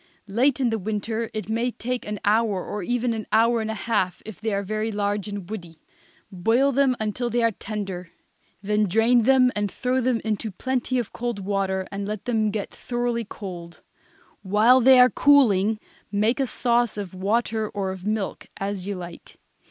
Late in the winter it may take an hour or even an hour and a half if they are very large and woody. Boil them until they are tender. Then drain them and throw them into plenty of cold water, and let them get thoroughly cold. While they are cooling make a sauce of water or of milk, as you like.